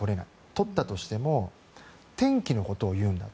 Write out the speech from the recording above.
取ったとしても天気のことを言う。